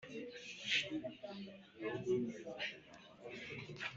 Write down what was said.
akamaro ko kwibuka jenoside yakorewe abatutsi